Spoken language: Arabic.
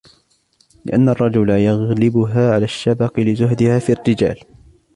لِأَنَّ الرَّجُلَ يَغْلِبُهَا عَلَى الشَّبَقِ لِزُهْدِهَا فِي الرِّجَالِ